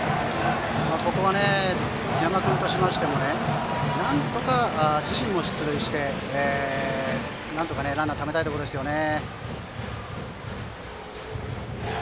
築山君としても自分も出塁してなんとかランナーをためたいところですよね。